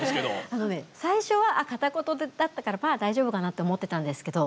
あのね、最初は片言だったからまあ大丈夫かなって思ってたんですけど。